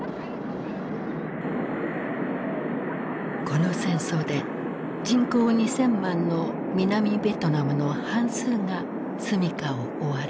この戦争で人口２，０００万の南ベトナムの半数が住みかを追われた。